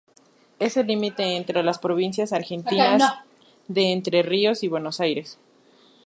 Es el límite entre las provincias argentinas de Entre Ríos y Buenos Aires.